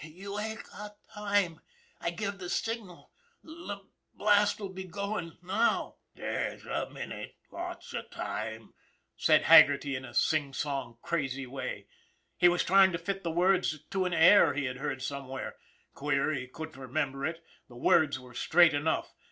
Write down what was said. " You ain't got time. I give the signal. The blast'll be goin' now." " There's a minute, lots of time," said Haggerty in a sing song, crazy way. He was trying to fit the words to an air he had heard somewhere. Queer he couldn't remember it, the words were straight enough!